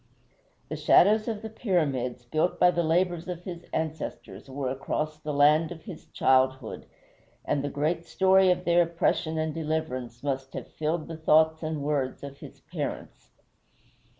The shadows of the Pyramids, built by the labors of his ancestors, were across the land of his childhood, and the great story of their oppression and deliverance must have filled the thoughts and words of his parents.